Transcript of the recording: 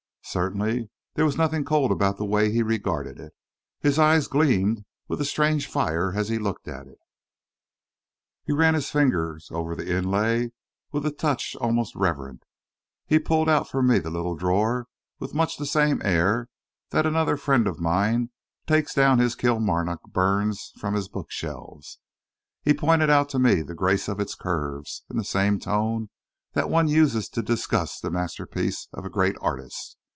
Certainly there was nothing cold about the way he regarded it. His eyes gleamed with a strange fire as he looked at it; he ran his fingers over the inlay with a touch almost reverent; he pulled out for me the little drawers with much the same air that another friend of mine takes down his Kilmarnock Burns from his bookshelves; he pointed out to me the grace of its curves in the same tone that one uses to discuss the masterpiece of a great artist.